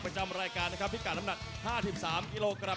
ประจำรายการนะครับพิกัดน้ำหนัก๕๓กิโลกรัม